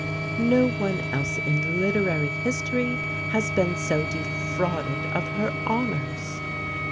No one else in literary history has been so defrauded of her honours.